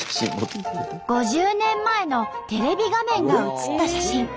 ５０年前のテレビ画面が写った写真。